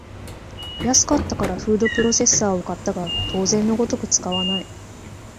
安かったからフードプロセッサーを買ったが当然のごとく使わない